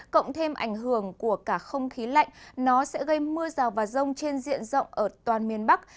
cộng thêm ảnh hưởng của cả không khí lạnh nó sẽ gây mưa rào và rông trên diện rộng ở toàn miền bắc